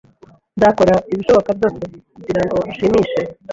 Nzakora ibishoboka byose kugirango nshimishe.